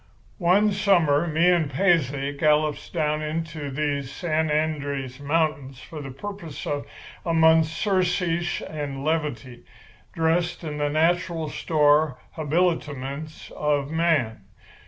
"One summer me and Paisley gallops down into these San Andrés mountains for the purpose of a month's surcease and levity, dressed in the natural store habiliments of man.